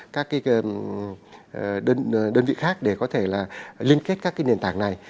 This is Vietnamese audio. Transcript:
các đơn vị khác để có thể liên kết các nền tảng này